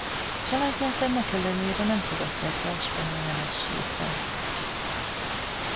Családját ennek ellenére nem fogadták be a spanyol nemességbe.